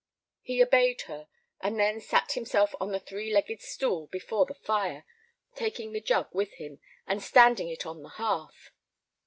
He obeyed her, and then sat himself on the three legged stool before the fire, taking the jug with him, and standing it on the hearth.